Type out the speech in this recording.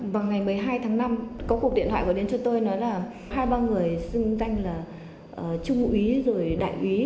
vào ngày một mươi hai tháng năm có cuộc điện thoại gọi đến cho tôi nói là hai ba người xưng danh là chúc vụ ý rồi đại ý